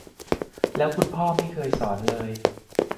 แล้วคุณพ่อไม่เคยสอนเลย